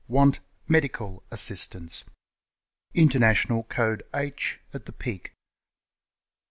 Want Medical Assistance International code H at the peak.